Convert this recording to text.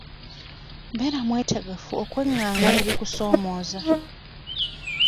Beera mwetegefu okwenganga ebisoomooza.